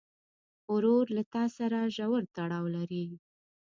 ورور له تا سره ژور تړاو لري.